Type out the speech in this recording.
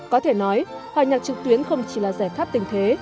có thể nói hòa nhạc trực tuyến không chỉ là giải pháp tình thế